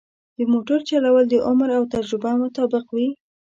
د موټر چلول د عمر او تجربه مطابق وي.